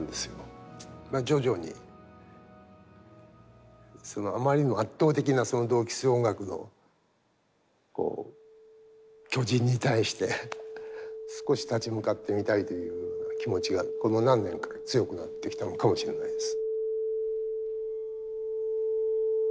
徐々にそのあまりにも圧倒的なその同期する音楽の巨人に対して少し立ち向かってみたいという気持ちがこの何年か強くなってきたのかもしれないです。